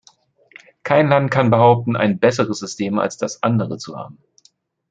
Kein Land kann behaupten, ein besseres System als das andere zu haben.